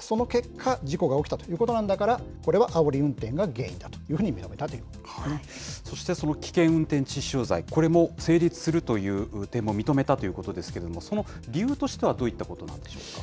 その結果、事故が起きたということなんだから、これはあおり運転が原因だというふうに見られたとそしてその危険運転致死傷罪、これも成立するという点も認めたということですけれども、その理由としてはどういったことなんでしょうか。